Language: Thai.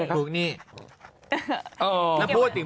ถูกนี้